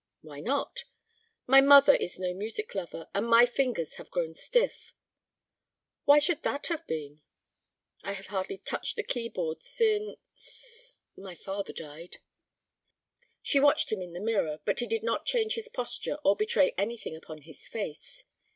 "Why not?" "My mother is no music lover. And my fingers have grown stiff." "Why should that have been?" "I have hardly touched the key board since—my father died." She watched him in the mirror, but he did not change his posture or betray anything upon his face.